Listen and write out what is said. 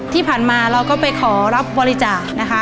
ที่ผ่านมาเราก็ไปขอรับบริจาคนะคะ